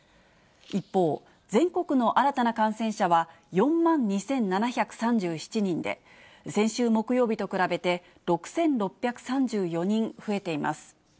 一方、全国の新たな感染者は４万２７３７人で、先週木曜日と比べて６６３４人増えています。